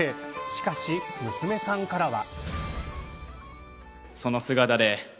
しかし、娘さんからは。